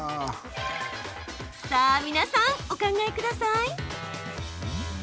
さあ、皆さん、お考えください。